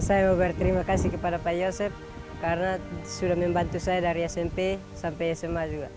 saya mau berterima kasih kepada pak yosep karena sudah membantu saya dari smp sampai sma juga